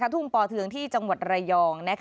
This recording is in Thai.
ทุ่งป่อเทืองที่จังหวัดระยอง